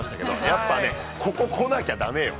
やっぱね、ここ来なきゃだめよ。